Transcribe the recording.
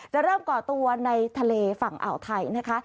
เริ่มก่อตัวในทะเลฝั่งอ่าวไทยนะคะ